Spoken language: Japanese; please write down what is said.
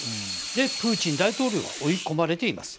で、プーチン大統領は追い込まれています。